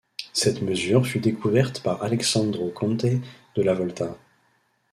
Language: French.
Cette mesure fut découverte par Alessandro comte de la Volta.